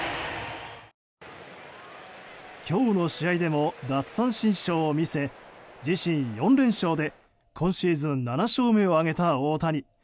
今日の試合でも奪三振ショーを見せ自身４連勝で今シーズン７勝目を挙げた大谷。